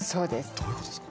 どういうことですか？